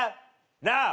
なあ。